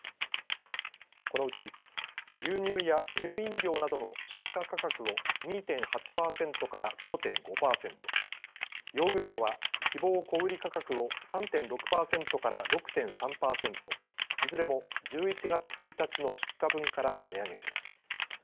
このうち牛乳や乳飲料などの出荷価格を２．８％から５．５％、ヨーグルトは希望小売価格を３．６％から６．３％、いずれも１１月１日の出荷分から値上げします。